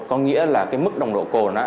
có nghĩa là cái mức nồng độ cồn